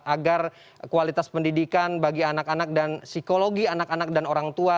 agar kualitas pendidikan bagi anak anak dan psikologi anak anak dan orang tua